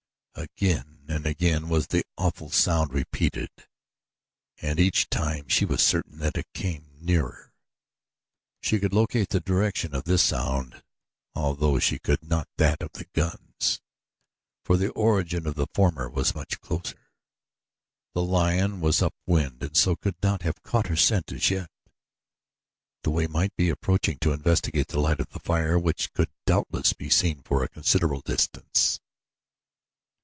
Again and again was the awful sound repeated and each time she was certain that it came nearer. She could locate the direction of this sound although she could not that of the guns, for the origin of the former was much closer. The lion was up wind and so could not have caught her scent as yet, though he might be approaching to investigate the light of the fire which could doubtless be seen for a considerable distance.